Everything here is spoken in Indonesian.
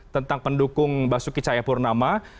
tentang pendukung basuki cayapurnama